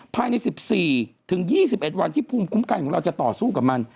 ภายใน๑๔ถึง๒๑วันที่ภูมิคุ้มกันของเราจะต่อสู้กับมัน